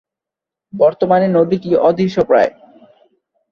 বর্তমানে নদীটি অদৃশ্যপ্রায়।